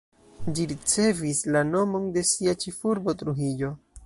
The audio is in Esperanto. Ĝi ricevis la nomon de sia ĉefurbo, Trujillo.